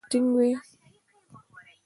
که په مصر کې اسلامي حکومت ټینګ وي.